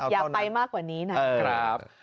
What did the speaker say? อย่าไปมากกว่านี้นะ